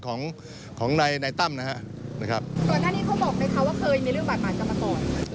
ตอนที่นี่เขาบอกนะครับว่าเคยมีเรื่องบาดบาดกลับมาตอน